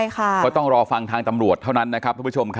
ก็ต้องรอฟังทางตำรวจเท่านั้นนะครับทุกผู้ชมครับ